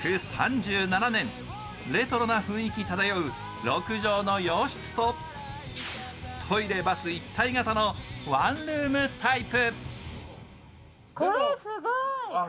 レトロな雰囲気漂う６畳の洋室とトイレ・バス一体型のワンルームタイプ。